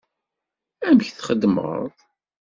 Amek txedmeḍ?